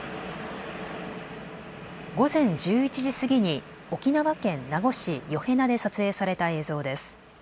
午前１１時過ぎに沖縄県名護市饒平名で撮影された映像です。